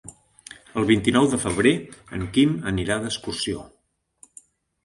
El vint-i-nou de febrer en Quim anirà d'excursió.